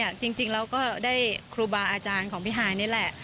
อย่างชื่อจริงแล้วก็ได้ครูบาร์อาจารย์ของพี่หายนี่แหละ